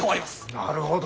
なるほど。